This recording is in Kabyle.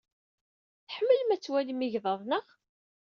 Tḥemmlem ad twalim igḍaḍ, naɣ?